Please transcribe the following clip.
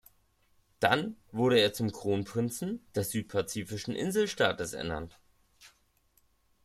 Dann wurde er zum Kronprinzen des südpazifischen Inselstaates ernannt.